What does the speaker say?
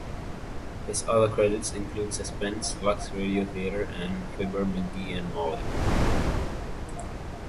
His other credits include "Suspense", "Lux Radio Theater", and "Fibber McGee and Molly".